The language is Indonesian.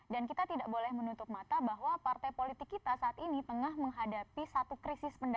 dan kita tidak boleh menutup mata bahwa partai politik kita saat ini tengah menghadapi satu krisis negara